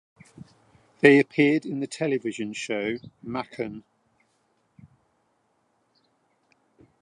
They appeared in the television show "Macken".